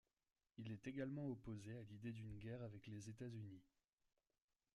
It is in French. Il est également opposé à l'idée d'une guerre avec les États-Unis.